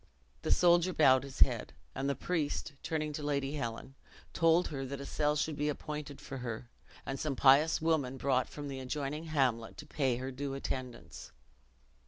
The soldier bowed his head; and the priest, turning to Lady Helen, told her that a cell should be appointed for her, and some pious woman brought from the adjoining hamlet to pay her due attendance.